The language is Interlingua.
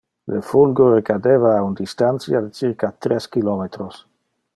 Le fulgure cadeva a un distantia de circa tres kilometros.